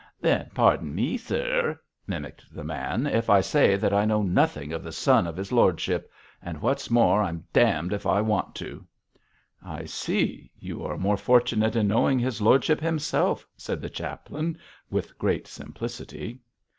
'Then pardon me, sir,' mimicked the man, 'if I say that I know nothing of the son of his lordship; and what's more, I'm d d if I want to.' 'I see! You are more fortunate in knowing his lordship himself,' said the chaplain, with great simplicity.